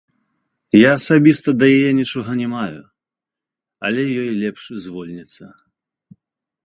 Я асабіста да яе нічога не маю, але ёй лепш звольніцца.